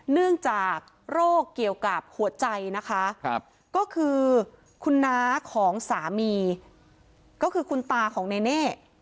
เนื่องจากโรคเกี่ยวกับหัวใจนะคะก็คือคุณน้าของสามีก็คือคุณตาของเน่